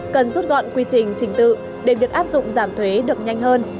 cần rút gọn quy trình trình tự để việc áp dụng giảm thuế được nhanh hơn